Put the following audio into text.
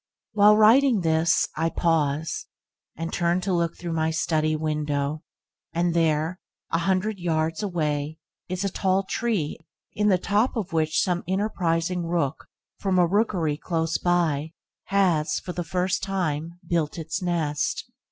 While writing this, I pause, and turn to look through my study window, and there, a hundred yards away, is a tall tree in the top of which some enterprising rook from a rookery hard by, has, for the first time, built its nest.